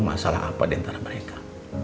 masalah apa diantara mereka